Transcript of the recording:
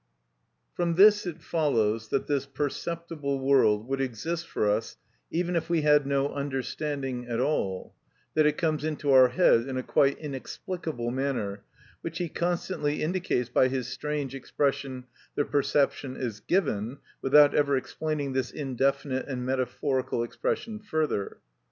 From this it follows that this perceptible world would exist for us even if we had no understanding at all; that it comes into our head in a quite inexplicable manner, which he constantly indicates by his strange expression the perception is given, without ever explaining this indefinite and metaphorical expression further.